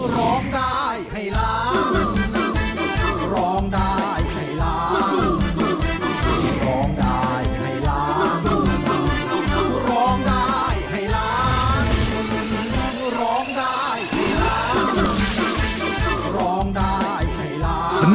ร้องได้ให้ล้านร้องได้ให้ล้าน